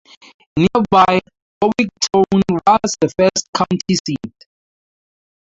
Nearby, Warwick Towne was the first county seat.